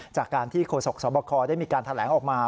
จากการที่โฆษกสบคได้มีการแถลงออกมา